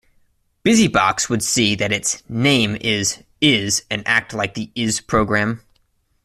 Busybox would see that its "name" is "ls" and act like the "ls" program.